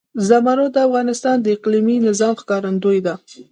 زمرد د افغانستان د اقلیمي نظام ښکارندوی ده.